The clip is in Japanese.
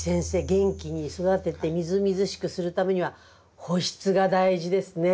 元気に育ててみずみずしくするためには保湿が大事ですね。